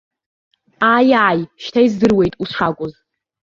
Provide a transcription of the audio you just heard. Ааи-ааи, шьҭа издыруеит ус шакәыз.